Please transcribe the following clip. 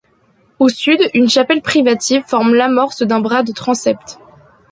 Au sud, une chapelle privative forme l'amorce d'un bras de transept.